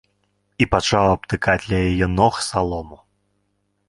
І пачаў абтыкаць ля яе ног салому.